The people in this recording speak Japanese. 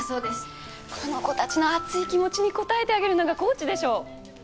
この子たちの熱い気持ちに応えてあげるのがコーチでしょ！